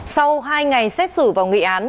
sau hai ngày xét xử vào nghị án